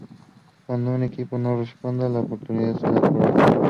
Cuando un equipo no responda, la oportunidad será para otro.